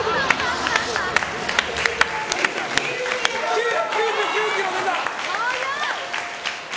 ９９９キロ出た！